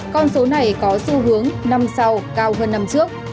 con số này có xu hướng năm sau cao hơn năm trước